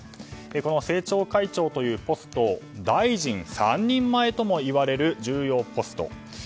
この政調会長というポスト大臣三人前ともいわれる重要ポスト。